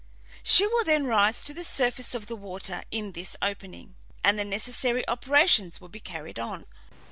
She will then rise to the surface of the water in this opening, and the necessary operations will be carried on."